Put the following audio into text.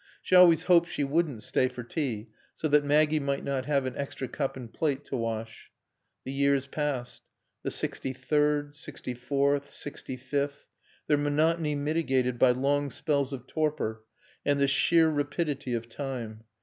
She always hoped she wouldn't stay for tea, so that Maggie might not have an extra cup and plate to wash. The years passed: the sixty third, sixty fourth, sixty fifth; their monotony mitigated by long spells of torpor and the sheer rapidity of time.